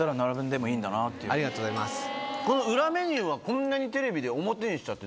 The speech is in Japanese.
ありがとうございます。